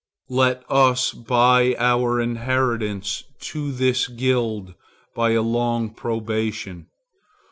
Let us buy our entrance to this guild by a long probation.